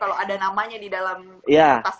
kalau ada namanya di dalam tas